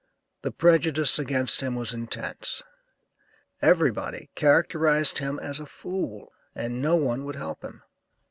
The prejudice against him was intense. Everybody characterized him as a fool, and no one would help him.